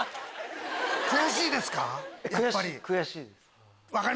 悔しいですか？